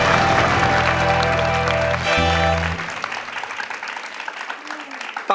ถ้าพร้อมอินโทรเพลงที่สี่มาเลยครับ